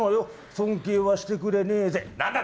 尊敬はしてくれねえぜ。